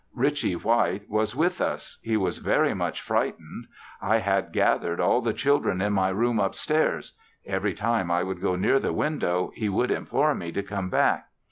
Richie White was with us; he was very much freightened. I had gathered all the children in my room upstairs; every time I would go near the window, he would implore me to come back.